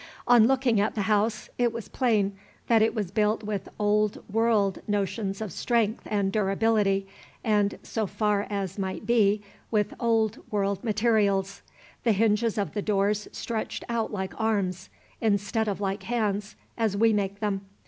On looking at the house, it was plain that it was built with Old World notions of strength and durability, and, so far as might be, with Old World materials. The hinges of the doors stretched out like arms, instead of like hands, as we make them.